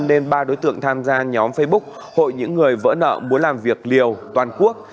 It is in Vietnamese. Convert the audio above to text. nên ba đối tượng tham gia nhóm facebook hội những người vỡ nợ muốn làm việc liều toàn quốc